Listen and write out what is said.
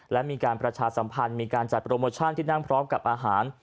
และมีการประชาสัมพันธ์มีการจัดโปรโมชั่นที่นั่งพร้อมกับอาหาร